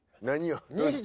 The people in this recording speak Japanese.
何よ？